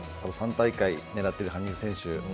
３大会狙っている羽生選手